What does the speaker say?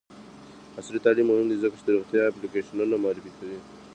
عصري تعلیم مهم دی ځکه چې د روغتیا اپلیکیشنونه معرفي کوي.